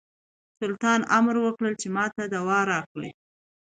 سلطان امر وکړ چې ماته دوا راکړي.